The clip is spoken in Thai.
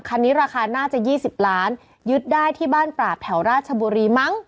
คันนี้ราคาน่าจะ๒๐ล้านยึดได้ที่บ้านปราบแถวราชบุรีมั้ง